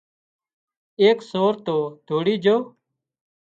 ايڪ سور تو ڌوڙي جھو